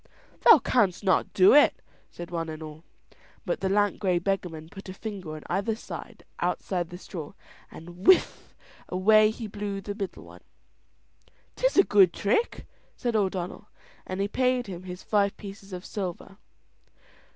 "Thou canst not do it," said one and all. But the lank grey beggarman put a finger on either outside straw and, whiff, away he blew the middle one. "'Tis a good trick," said O'Donnell; and he paid him his five pieces of silver.